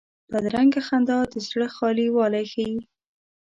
بدرنګه خندا د زړه خالي والی ښيي